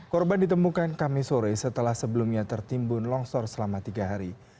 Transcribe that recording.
korban ditemukan kami sore setelah sebelumnya tertimbun longsor selama tiga hari